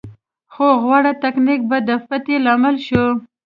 خو غوره تکتیک به د فتحې لامل شو.